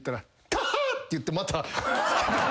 って言ってまた。